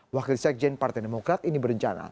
wakil sekretaris jenderal partai demokrat ini berencana